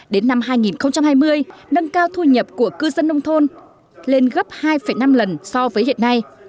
đến năm hai nghìn hai mươi nâng cao thu nhập của cư dân nông thôn lên gấp hai năm lần so với hiện nay